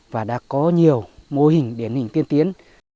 và đã có nhiều mô hình điển hình tiên tiến